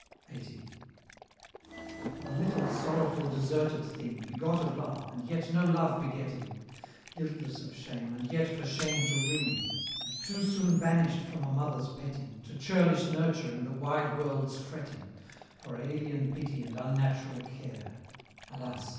LXXX. "A little, sorrowful, deserted thing, Begot of love, and yet no love begetting; Guiltless of shame, and yet for shame to wring; And too soon banish'd from a mother's petting, To churlish nurture and the wide world's fretting, For alien pity and unnatural care; Alas!